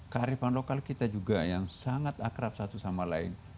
kearifan lokal kita juga yang sangat akrab satu sama lain